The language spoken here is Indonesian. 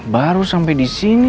baru sampai disini